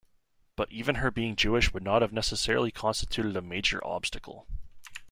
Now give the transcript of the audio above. But even her being Jewish would not have necessarily constituted a major obstacle.